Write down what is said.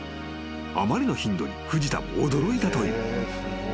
［あまりの頻度に藤田も驚いたという］